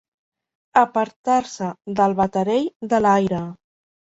Apartar-se del baterell de l'aire.